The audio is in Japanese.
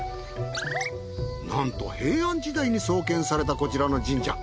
なんと平安時代に創建されたこちらの神社。